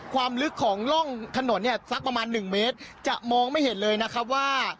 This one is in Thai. ความลึกของร่องถนนเนี่ยสักประมาณหนึ่งเมตรจะมองไม่เห็นเลยนะครับว่า